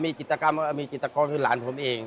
มีจิตกรรมมีจิตกรคือหลานผมเอง